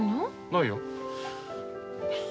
ないよ。